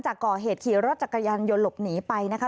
ประกอเหตุขี่รถจากกายันยนต์หลบหนีไปนะคะ